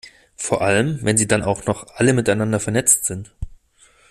Vor allem, wenn sie dann auch noch alle miteinander vernetzt sind.